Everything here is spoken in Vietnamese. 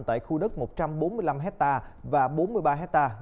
tại khu đất một trăm bốn mươi năm hectare và bốn mươi ba ha